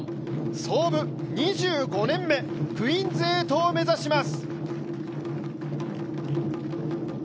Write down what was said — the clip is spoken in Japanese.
創部２５年目、クイーンズ８を目指します。